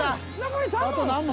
残り３問。